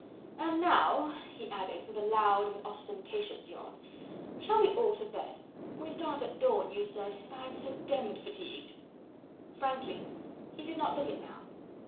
And now," he added with a loud and ostentatious yawn, "shall we all to bed? We start at dawn, you said, and I am so d d fatigued." Frankly, he did not look it now.